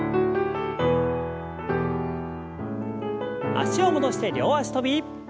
脚を戻して両脚跳び。